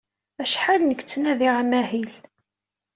Acḥal nekk ttnadiɣ amahil.